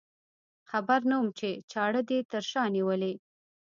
خبر نه وم چې چاړه دې تر شا نیولې.